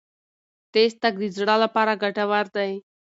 تېز تګ د زړه لپاره ګټور دی.